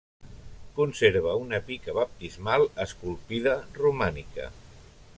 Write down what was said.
Conserva una pica baptismal esculpida romànica.